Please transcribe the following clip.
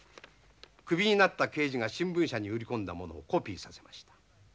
クビになった刑事が新聞社に売り込んだ物をコピーさせました。